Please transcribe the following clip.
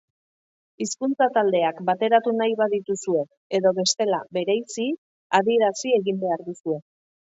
Hizkuntza-taldeak bateratu nahi badituzue, edo bestela, bereizi, adierazi egin behar duzue.